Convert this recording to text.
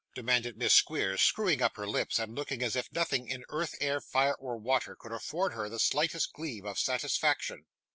demanded Miss Squeers; screwing up her lips, and looking as if nothing in earth, air, fire, or water, could afford her the slightest gleam of satisfaction.